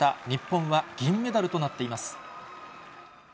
日本は銀メダルとなっています。